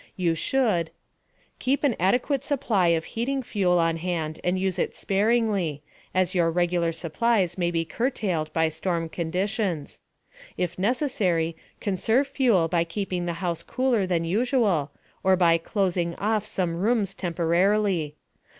You should: Keep an adequate supply of heating fuel on hand and use it sparingly, as your regular supplies may be curtailed by storm conditions. If necessary, conserve fuel by keeping the house cooler than usual, or by "closing off" some rooms temporarily.